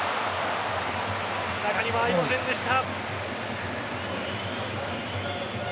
中に合いませんでした。